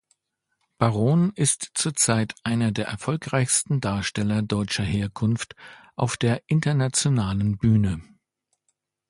Baron ist zurzeit einer der erfolgreichsten Darsteller deutscher Herkunft auf der internationalen Bühne.